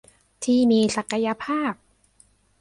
ที่มีศักยภาพ